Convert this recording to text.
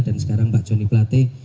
dan sekarang pak joni pelate